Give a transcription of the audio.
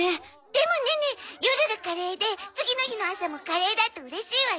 でもネネ夜がカレーで次の日の朝もカレーだとうれしいわよ。